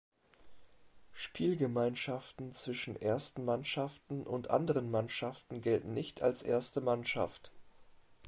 Spielgemeinschaften zwischen ersten Mannschaften und anderen Mannschaften gelten nicht als erste Mannschaft.